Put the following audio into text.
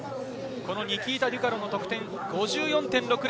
ニキータ・デュカロの得点５４．６０。